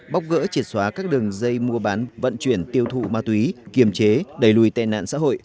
bóc gỡ triệt xóa các đường dây mua bán vận chuyển tiêu thụ ma túy kiềm chế đẩy lùi tệ nạn xã hội